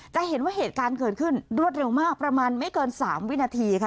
จะเห็นว่าเหตุการณ์เกิดขึ้นรวดเร็วมากประมาณไม่เกิน๓วินาทีค่ะ